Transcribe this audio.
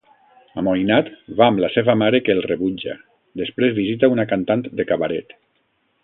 Amoïnat, va amb la seva mare que el rebutja, després visita una cantant de cabaret.